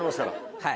はい。